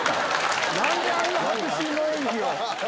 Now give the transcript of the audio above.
何であんな迫真の演技を。